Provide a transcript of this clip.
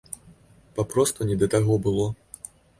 Папросту не да таго было.